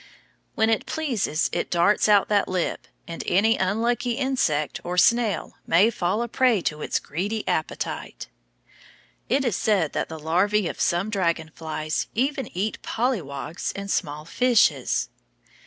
When it pleases it darts out that lip, and any unlucky insect or snail may fall a prey to its greedy appetite. It is said that the larvæ of some dragon flies even eat pollywogs and small fishes.